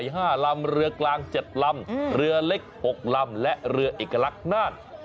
เรือใหญ่๕ลำเหลือกลาง๗ลำเหลือเล็ก๖ลำและเรืออีกลักษณ์หน้า